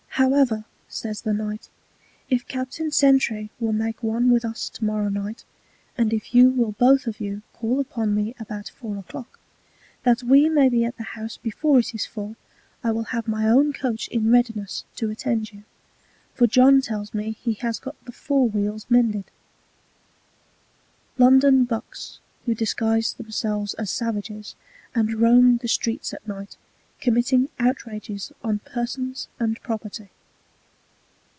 However, says the Knight, if Captain Sentry will make one with us to morrow night, and if you will both of you call upon me about four a Clock, that we may be at the House before it is full, I will have my own Coach in readiness to attend you, for John tells me he has got the Fore Wheels mended. [Footnote 1: London "bucks" who disguised themselves as savages and roamed the streets at night, committing outrages on persons and property.